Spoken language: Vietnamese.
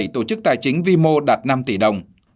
bảy tổ chức tài chính vimo đạt năm tỷ đồng